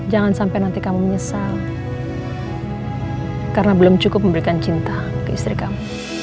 jangan sampai nanti kamu menyesal karena belum cukup memberikan cinta ke istri kamu